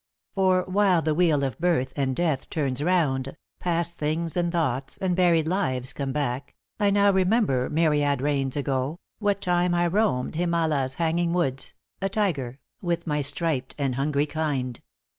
* For while the wheel of birth and death turns round, Past things and thoughts, and buried lives come back, I now remember, myriad rains ago, What time I roamed Himâla's hanging woods, _A tiger, with my striped and hungry kind.